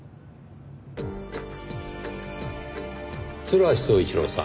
鶴橋宗一郎さん